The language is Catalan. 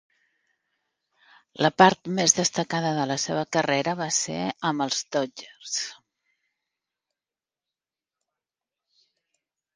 La part més destacada de la seva carrera va ser amb els Dodgers.